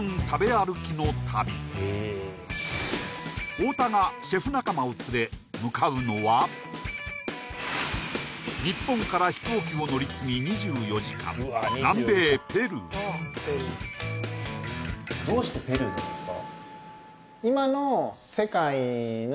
太田がシェフ仲間を連れ向かうのは日本から飛行機を乗り継ぎ２４時間南米ペルーになりますね